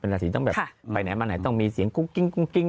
เป็นอันสีที่ต้องไปไหนมาไหนต้องมีเสียงกุ้งกิ้ง